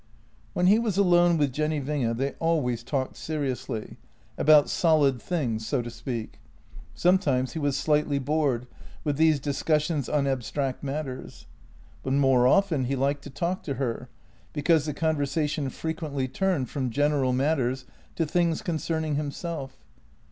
When he was alone with Jenny Winge they always talked seriously — about solid things, so to speak. Sometimes he was slightly bored with these discussions on abstract matters, but more often he liked to talk to her, because the conversation frequently turned from general matters to things concerning himself.